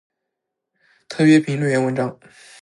特约评论员文章